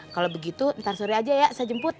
kalau begitu ntar sore aja ya saya jemput